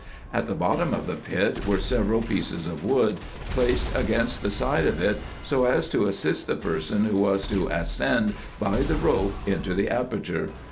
At the bottom of the pit were several pieces of wood, placed against the side of it, so as to assist the person who was to ascend by the rope into the aperture.